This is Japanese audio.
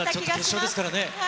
決勝ですからね。